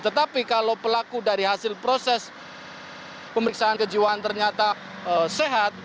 tetapi kalau pelaku dari hasil proses pemeriksaan kejiwaan ternyata sehat